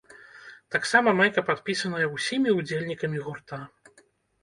Таксама майка падпісаная ўсімі ўдзельнікамі гурта.